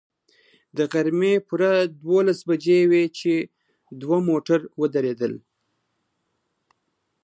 د غرمې پوره دولس بجې وې چې دوه موټر ودرېدل.